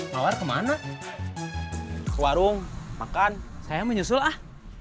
mawar kemana ke warung makan saya menyusul ah